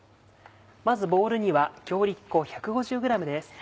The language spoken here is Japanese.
まずボウルには強力粉１５０ｇです。